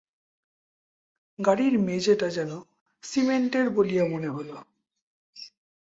গাড়ির মেজেটা যেন সিমেন্টের বলিয়া মনে হইল।